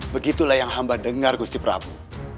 begitulah yang hamba dengar gusti prabu